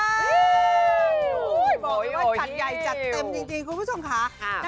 บอกให้ว่าจัดใหญ่จัดเต็มดีคุณผู้ชมค่ะ